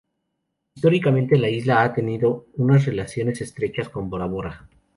Históricamente la isla ha tenido unas relaciones estrechas con Bora Bora.